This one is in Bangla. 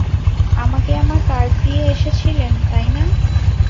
আমাকে আমার কার্ড দিয়ে এসেছিলেন, তাই না?